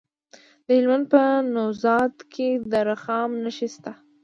د هلمند په نوزاد کې د رخام نښې شته.